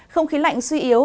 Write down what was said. không khí lạnh suy yếu